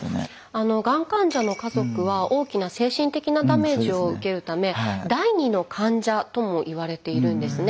あのがん患者の家族は大きな精神的なダメージを受けるため「第２の患者」ともいわれているんですね。